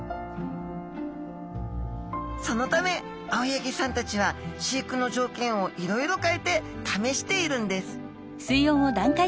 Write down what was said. そのため青柳さんたちは飼育の条件をいろいろ変えてためしているんです